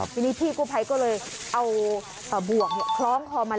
ทีนี้พี่กู้ภัยก็เลยเอาบวกคล้องคอมัน